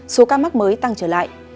số ca mắc mới tăng trở lại